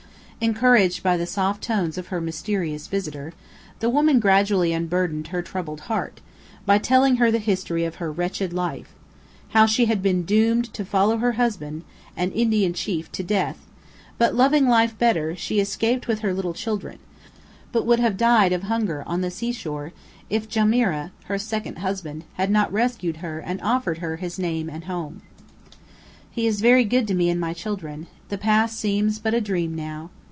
Encouraged by the soft tones of her mysterious visitor, the woman gradually unburdened her troubled heart by telling her the history of her wretched life; how she had been doomed to follow her husband, an Indian chief, to death; but, loving life better, she escaped with her little children, but would have died of hunger on the seashore if Jarima, her second husband, had not rescued her and offered her his name and home. "He is very good to me and my children; the past seems but a dream now.